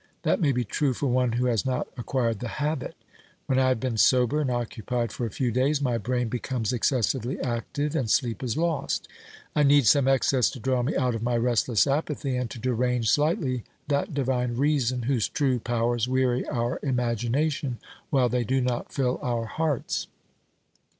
That may be true for one who has not acquired the habit. When 278 OBERMANN I have been sober and occupied for a few days, my brain becomes excessively active, and sleep is lost, I need some excess to draw me out of my restless apathy and to derange slightly that divine reason whose true powers weary our imagination while they do not fill our hearts.